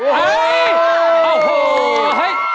โอ้โห